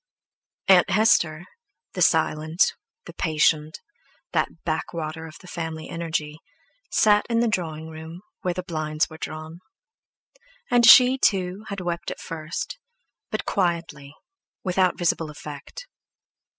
Aunt Hester, the silent, the patient, that backwater of the family energy, sat in the drawing room, where the blinds were drawn; and she, too, had wept at first, but quietly, without visible effect.